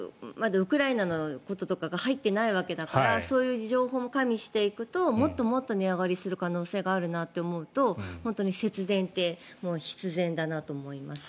ウクライナのこととかが入ってないわけだからそういう事情を加味していくともっと値上がりしていく可能性があるとなると本当に節電って必然だなと思います。